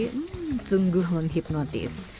hmmm sungguh menghipnotis